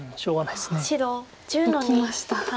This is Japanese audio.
いきました。